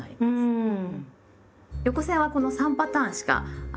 うん。